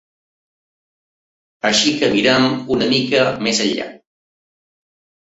Així que mirem una mica més enllà.